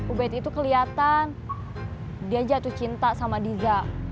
ubed itu kelihatan dia jatuh cinta sama diza